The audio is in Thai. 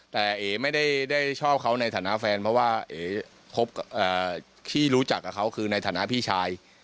แต่เอ๋ไม่ได้ชอบเขาในฐานะแฟนเพราะว่าที่รู้จักกับเขาคือในฐานะพี่ชาย